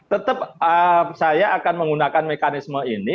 tetap saya akan menggunakan mekanisme ini